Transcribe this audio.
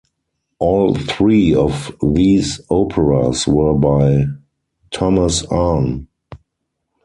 All three of these operas were by Thomas Arne.